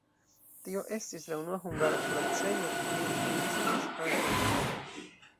Tio estis la unua hungara kuracejo, kiu funkciis ankaŭ vintre.